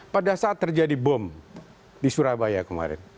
pada saat terjadi bom di surabaya kemarin